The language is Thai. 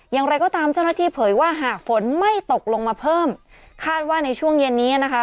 อย่างไรก็ตามเจ้าหน้าที่เผยว่าหากฝนไม่ตกลงมาเพิ่มคาดว่าในช่วงเย็นนี้นะคะ